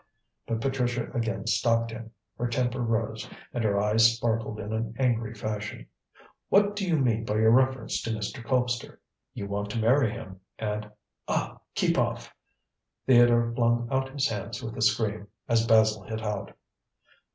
But Patricia again stopped him. Her temper rose, and her eyes sparkled in an angry fashion. "What do you mean by your reference to Mr. Colpster?" "You want to marry him, and ah! keep off!" Theodore flung out his hands with a scream, as Basil hit out.